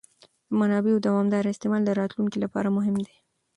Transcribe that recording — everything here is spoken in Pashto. د منابعو دوامداره استعمال د راتلونکي لپاره مهم دی.